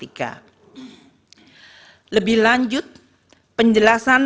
di bandara kecil menengah dan perikanan